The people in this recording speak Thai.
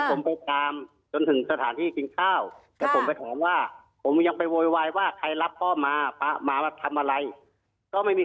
ก็ก็มี๑๐ล้านตัวจักรความได้ว่าว่าพ่อพ่อผมก็มาคุยกับที่บ้างอะไรแบบนี้